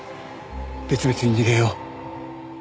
別々に逃げよう。